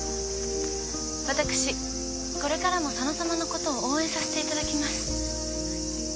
私これからも佐野さまのことを応援させていただきます。